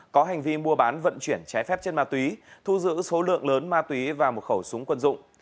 có hành vi mua bán vận chuyển trái phép chất ma túy thu giữ số lượng lớn ma túy và một khẩu súng quân dụng